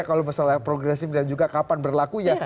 kalau masalah yang progresif dan juga kapan berlakunya